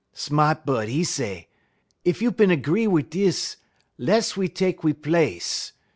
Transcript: "Sma't bud, 'e say: "'Ef you bin 'gree wit' dis, less we tek we place.